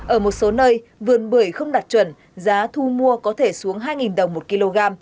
ở một số nơi vườn bưởi không đặt chuẩn giá thu mua có thể xuống hai đồng một kg